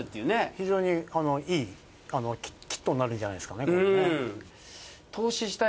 非常にいいキットになるんじゃないですかねこれね。